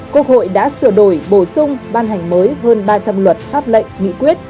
quốc hội đã sửa đổi bổ sung ban hành mới hơn ba trăm linh luật pháp lệnh nghị quyết